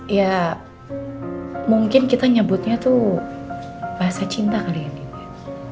ya mungkin kita nyebutnya tuh bahasa cinta kali ini ya